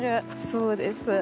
そうです。